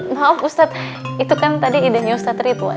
maaf ustadz itu kan tadi idenya ustadz ridwan